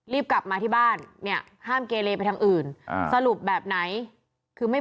กลับมาที่บ้านเนี่ยห้ามเกเลไปทางอื่นสรุปแบบไหนคือไม่